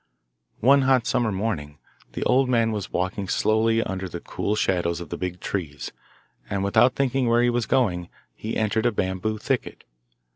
One hot summer morning, the old man was walking slowly under the cool shadows of the big trees, and without thinking where he was going, he entered a bamboo thicket.